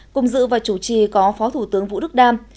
cùng dự và chủ trì có phó thủ tướng vũ đức đam